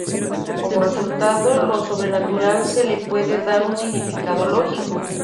Como resultado lo sobrenatural se le puede dar un significado lógico.